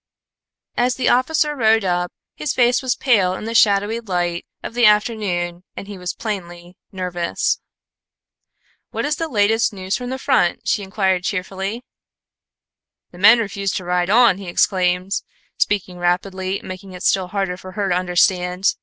As the officer rode up, his face was pale in the shadowy light of the afternoon and he was plainly nervous. "What is the latest news from the front?" she inquired cheerfully. "The men refuse to ride on," he exclaimed, speaking rapidly, making it still harder for her to understand.